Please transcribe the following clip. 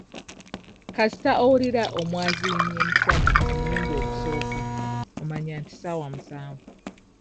Kasita owulira omwaziinyi emisana omulundi ogusooka omanya nti ssaawa musanvu.